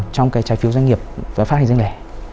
trong cái trái phiếu doanh nghiệp và phát hành riêng lẻ